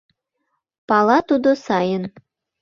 Пала тудо сайын